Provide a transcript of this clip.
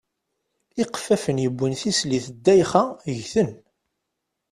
Iqeffafen yuwin tislit ddayxa ggten.